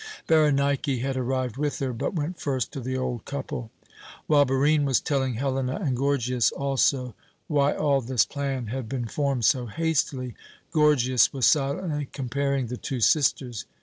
Berenike had arrived with her, but went first to the old couple. While Barine was telling Helena and Gorgias, also, why all this plan had been formed so hastily, Gorgias was silently comparing the two sisters.